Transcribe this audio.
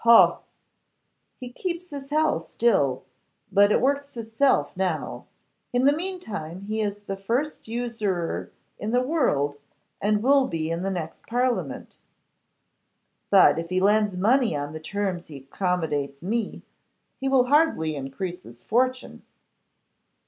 'Hoh!' 'He keeps his hell still, but it works itself now. In the mean time he is the first usurer in the world, and will be in the next Parliament.' 'But if he lends money on the terms he accommodates me, he will hardly increase his fortune.